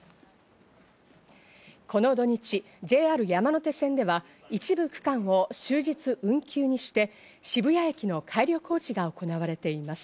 この土日、ＪＲ山手線では一部区間を終日運休にして渋谷駅の改良工事が行われています。